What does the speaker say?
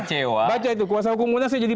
baca itu kuasa hukum muna saya jadi